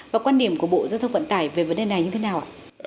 và quan điểm của bộ giao thông vận tải về vấn đề này như thế nào ạ